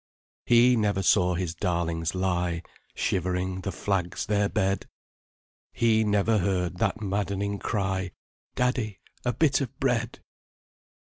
He never saw his darlings lie Shivering, the flags their bed; He never heard that maddening cry, 'Daddy, a bit of bread!'"